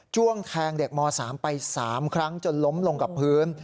้วงแทงเด็กม๓ไป๓ครั้งจนล้มลงกับพื้น